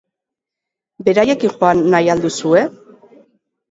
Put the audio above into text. Beraiekin joan nahi al duzue?